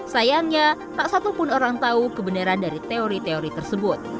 sayangnya tak satupun orang tahu kebenaran dari teori teori tersebut